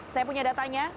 saya punya datanya